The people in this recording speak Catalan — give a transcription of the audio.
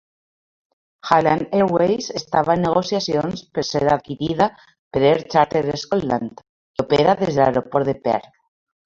Highland Airways estava en negociacions per ser adquirida per Air Charter Scotland, que opera des de l'aeroport de Perth.